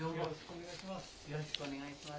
よろしくお願いします。